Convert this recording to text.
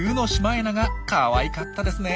かわいかったですね。